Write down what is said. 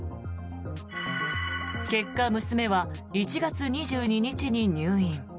結果、娘は１月２２日に入院。